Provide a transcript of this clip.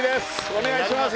お願いします